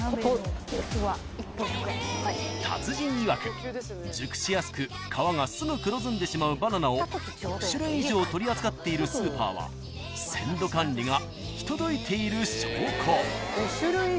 ［達人いわく熟しやすく皮がすぐ黒ずんでしまうバナナを５種類以上取り扱っているスーパーは鮮度管理が行き届いている証拠］